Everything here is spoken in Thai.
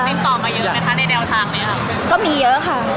พี่ตอบได้แค่นี้จริงค่ะ